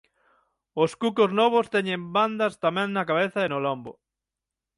Os cucos novos teñen bandas tamén na cabeza e no lombo.